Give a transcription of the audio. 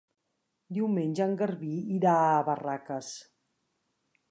Diumenge en Garbí irà a Barraques.